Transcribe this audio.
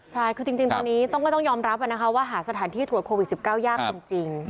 ใช่คือจริงตอนนี้ก็ต้องยอมรับนะคะว่าหาสถานที่ตรวจโควิด๑๙ยากจริง